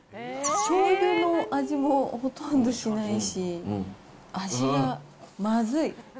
しょうゆの味もほとんどしないし、味がまずい。